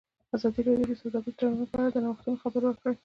ازادي راډیو د سوداګریز تړونونه په اړه د نوښتونو خبر ورکړی.